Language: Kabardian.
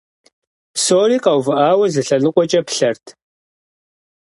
Псори къэувыӀауэ зы лъэныкъуэкӀэ плъэрт.